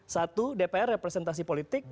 satu dpr representasi politik